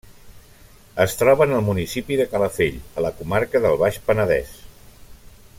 Es troba en el municipi de Calafell, a la comarca del Baix Penedès.